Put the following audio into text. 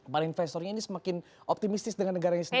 para investornya ini semakin optimistis dengan negaranya sendiri